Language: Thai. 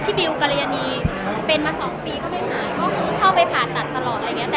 บิวกรยานีเป็นมา๒ปีก็ไม่หายก็คือเข้าไปผ่าตัดตลอดอะไรอย่างนี้